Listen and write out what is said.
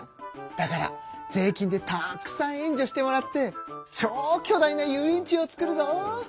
だから税金でたくさん援助してもらって超巨大な遊園地を作るぞ！